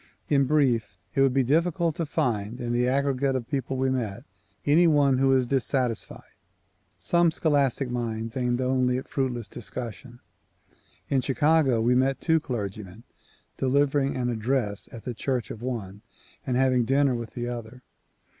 In brief, it would be difficult to find in the aggregate of people we met, any one who was dissatisfied. Some scholastic minds aimed only at fruitless dis cussion. In Chicago we met two clergymen, — delivering an address at the church of one and having dinner with the other.